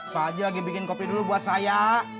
pak haji lagi bikin kopi dulu buat saya